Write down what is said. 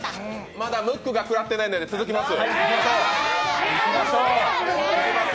まだムックがくらってないので続きます。